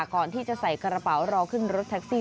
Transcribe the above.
ก่อนที่จะใส่กระเป๋ารอขึ้นรถแท็กซี่